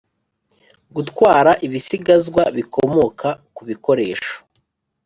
gutwara ibisigazwa bikomoka ku bikoresho